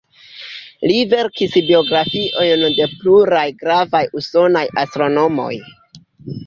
Li verkis biografiojn de pluraj gravaj usonaj astronomoj.